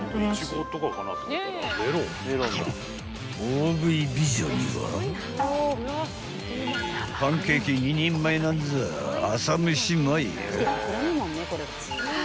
［大食い美女にはパンケーキ２人前なんざ朝飯前よ］